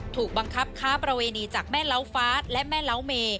ถูกบังคับค้าประเวณีจากแม่เล้าฟ้าและแม่เล้าเม